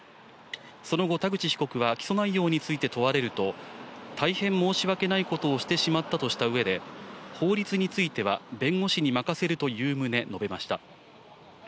その後、田口被告は起訴内容について問われると、大変申し訳ないことをしてしまったとしたうえで、法律については、弁護士に任せるという旨、述べました。